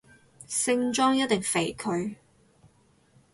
聖莊一定肥佢